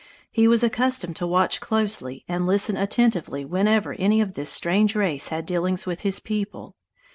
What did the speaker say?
He was accustomed to watch closely and listen attentively whenever any of this strange race had dealings with his people.